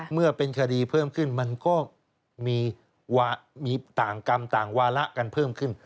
เมื่อเป็นคดีเพิ่มขึ้นมันก็มีต่างกรรมต่างวาระกันเพิ่มขึ้น